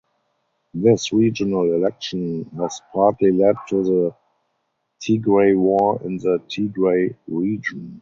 This regional election has partly led to the Tigray War in the Tigray Region.